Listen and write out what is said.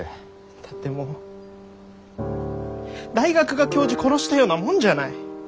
だってもう大学が教授殺したようなもんじゃない！